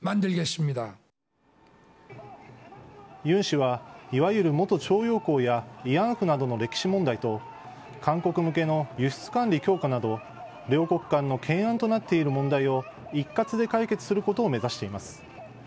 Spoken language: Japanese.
ユン氏は、いわゆる元徴用工や慰安婦などの歴史問題と韓国向けの輸出管理強化など両国間の懸案となっている問題を一括で解決することを目指しています。